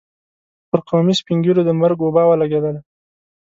پر قومي سپين ږيرو د مرګ وبا ولګېدله.